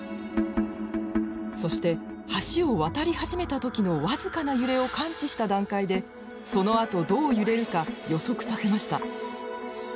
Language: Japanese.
そして橋を渡り始めた時の僅かな揺れを感知した段階でそのあとどう揺れるか予測させました。